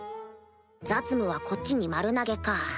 雑務はこっちに丸投げか